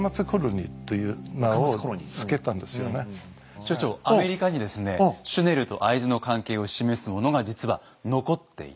所長アメリカにですねシュネルと会津の関係を示すものが実は残っていて。